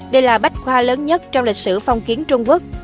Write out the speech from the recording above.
đây là bách khoa lớn nhất trong lịch sử phong kiến trung quốc